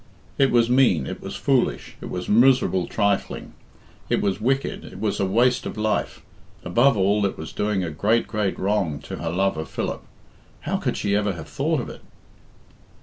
It was mean, it was foolish, it was miserable trifling, it was wicked, it was a waste of life above all, it was doing a great, great wrong to her love of Philip! How could she ever have thought of it?